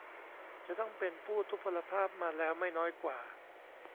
จะต้องเป็นผู้ทุพพลภาพมาแล้วไม่น้อยกว่า